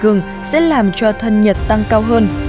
gừng sẽ làm cho thân nhiệt tăng cao hơn